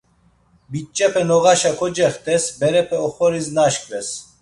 Biç̌epe noğaşa kocext̆es, berepe oxoris naşǩves.